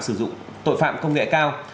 sử dụng tội phạm công nghệ cao